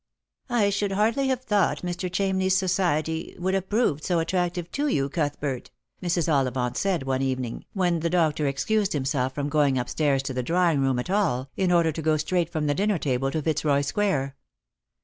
" I should hardly have thought Mr. Chamney's society would have proved so attractive to you, Cuthbert," Mrs. Ollivant said one evening, when the doctor excused himself from going up stairs to the drawing room at all, in order to go straight from the dinner table to Fitzroy square.